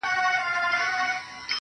ستا له تصويره سره_